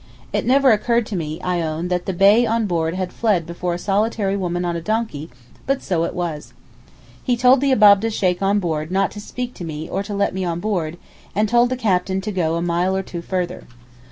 It never occurred to me, I own, that the Bey on board had fled before a solitary woman on a donkey, but so it was. He told the Abab'deh Sheykh on board not to speak to me or to let me on board, and told the Captain to go a mile or two further.